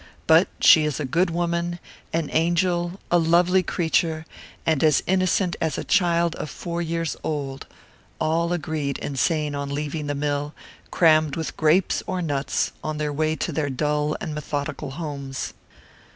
"But she is a good woman, an angel, a lovely creature, and as innocent as a child four years old," all agreed in saying on leaving the mill, crammed with grapes or nuts, on their way to their dull and methodical homes.